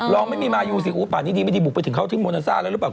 ไม่มีมายูสิอู้ป่านนี้ดีไม่ดีบุกไปถึงเขาถึงโมนาซ่าแล้วหรือเปล่า